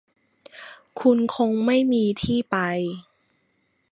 คุณคงไม่มีที่ไป